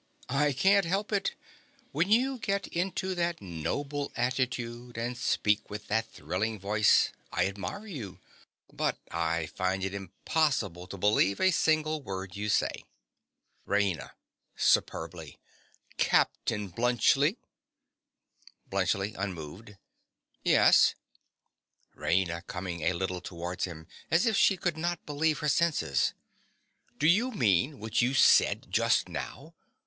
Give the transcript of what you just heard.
I can't help it. When you get into that noble attitude and speak in that thrilling voice, I admire you; but I find it impossible to believe a single word you say. RAINA. (superbly). Captain Bluntschli! BLUNTSCHLI. (unmoved). Yes? RAINA. (coming a little towards him, as if she could not believe her senses). Do you mean what you said just now?